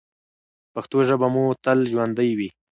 پښتو ژبه مو تل ژوندۍ وي.